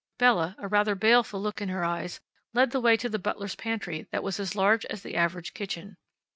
Bella, a rather baleful look in her eyes, led the way to the butler's pantry that was as large as the average kitchen.